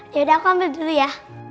yaudah aku ambil dulu ya